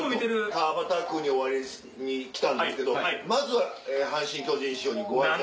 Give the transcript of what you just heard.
川畑君にお会いしに来たんですけどまず阪神・巨人師匠にご挨拶。